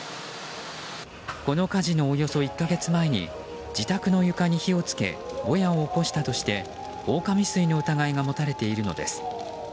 この火事のおよそ１か月前に自宅の床に火をつけぼやを起こしたとして放火未遂の疑いが持たれているのです。